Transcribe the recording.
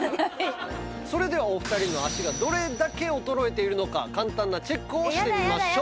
それではお二人の足がどれだけ衰えているのか簡単なチェックをしてみましょう。